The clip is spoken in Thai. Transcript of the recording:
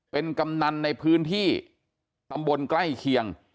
เป็นกำนันในพื้นที่ตำบลใกล้เคียง